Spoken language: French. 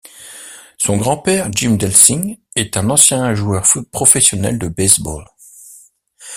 Son grand-père, Jim Delsing, est un ancien joueur professionnel de baseball.